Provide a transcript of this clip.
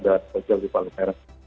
sosial di palembaran